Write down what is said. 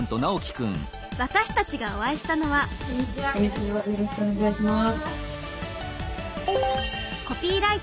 私たちがお会いしたのはこんにちはよろしくお願いします。